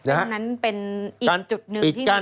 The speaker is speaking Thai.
อ่านั้นเป็นอีกจุดหนึ่งที่มีการ